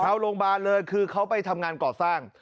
โรงพยาบาลเลยคือเขาไปทำงานก่อสร้าง